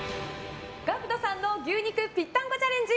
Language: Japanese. ＧＡＣＫＴさんの牛肉ぴったんこチャレンジ